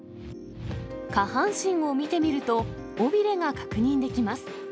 下半身を見てみると、尾びれが確認できます。